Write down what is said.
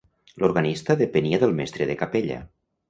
L'organista depenia del mestre de capella.